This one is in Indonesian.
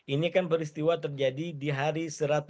ini kan peristiwa terjadi di hari satu ratus sembilan puluh